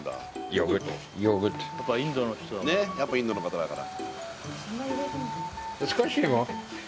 やっぱインドの方だから。